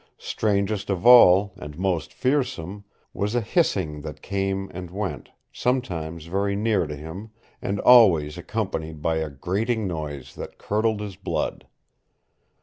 Strangest of all, and most fearsome, was a hissing that came and went, sometimes very near to him, and always accompanied by a grating noise that curdled his blood.